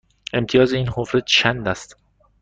امتیاز این حفره چند است؟